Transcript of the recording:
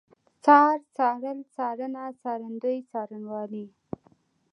څار، څارل، څارنه، څارندوی، څارنوالي